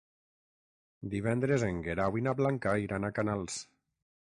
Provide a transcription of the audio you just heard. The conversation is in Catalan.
Divendres en Guerau i na Blanca iran a Canals.